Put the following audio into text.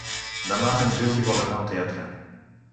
Demà en Juli vol anar al teatre.